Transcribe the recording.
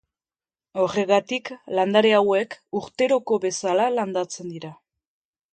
Horregatik landare hauek urteroko bezala landatzen dira.